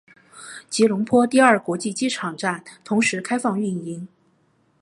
吉隆坡第二国际机场站同时开放运营。